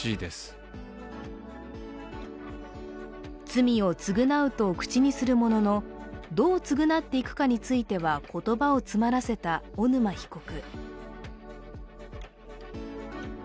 罪を償うと口にするものの、どう償っていくかについては言葉を詰まらせた小沼被告。